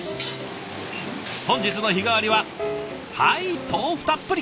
本日の日替わりははい豆腐たっぷり。